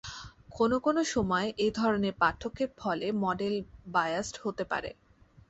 কোন কোন সময় এধরনের পার্থক্যের ফলে মডেল বায়াসড হতে পারে।